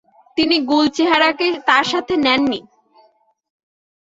তিনি গুলচেহরাকে তার সাথে নেননি।